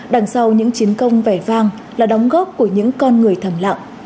đằng sau những chiến công vẻ vang là đóng góp của những con người thầm lặng